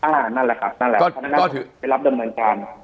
นั่นแหละครับนั่นแหละไปรับดำเนินการ